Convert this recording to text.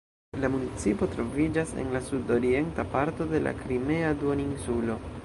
La municipo troviĝas en la sud-orienta parto de la Krimea duoninsulo.